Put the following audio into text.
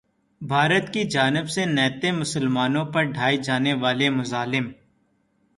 بھارت کی جانب سے نہتے مسلمانوں پر ڈھائے جانے والے مظالم